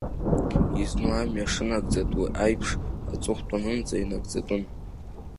Изну амҩа шынагӡатәу аиԥш, аҵыхәтәанынӡа инагӡатәын.